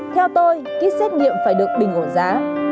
theo tôi kýt xét nghiệm phải được bình ổn giá